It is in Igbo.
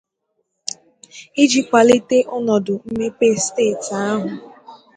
iji kwalite ọnọdụ mmepe steeti ahụ.